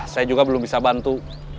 saya juga belum bisa bantu